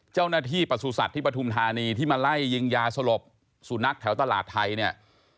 เจ้าหน้าที่ประสุทธิ์ที่ปฐุมธานีที่มาไล่ยิงยาสลบสุนัขแถวตลาดไทยเนี่ย